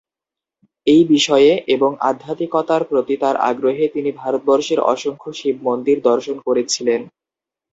এই বিষয়ে এবং আধ্যাত্মিকতার প্রতি তাঁর আগ্রহে তিনি ভারতবর্ষের অসংখ্য শিব মন্দির দর্শন করেছিলেন।